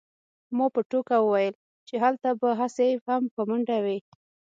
ما په ټوکه وویل چې هلته به هسې هم په منډه وې